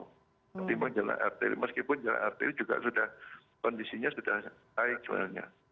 tapi memang jalan arteri meskipun jalan arteri juga sudah kondisinya sudah naik semuanya